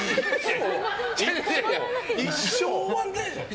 一生終わらないじゃん。